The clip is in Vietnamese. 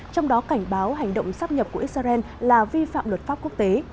trong đó cảnh báo hành động sắp nhập của israel là vi phạm luật pháp quốc tế